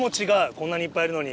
こんなにいっぱいいるのに。